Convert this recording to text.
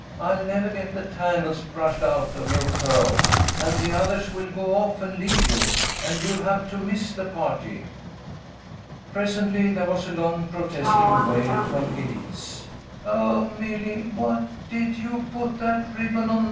" I'll never get the tangles brushed out of your curls, and the others will go off and leave you, and you'll have to miss the party." Presently there was a long protesting wail from Elise. " Oh, Milly, what did you put that ribbon on 1 80 THE DAY AFTER THANKSGIVING.